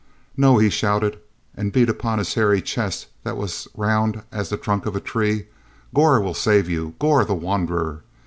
"No!" he shouted, and beat upon his hairy chest that was round as the trunk of a tree. "Gor will save you—Gor, the wanderer!